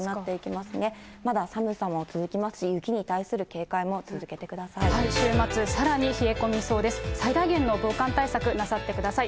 まだ寒さも続きますし、雪に対する警戒も続けてください。